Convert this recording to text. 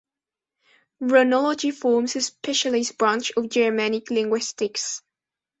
Runology forms a specialized branch of Germanic linguistics.